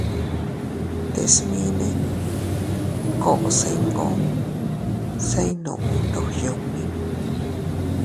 Te smine koo se iyngoo se iynuʼu ndog yunni.